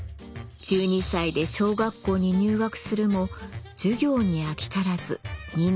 １２歳で小学校に入学するも授業に飽き足らず２年で自主退学。